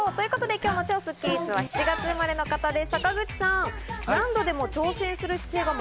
今日の超スッキりすは７月生まれの方です、坂口さん。